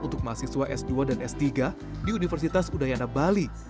untuk mahasiswa s dua dan s tiga di universitas udayana bali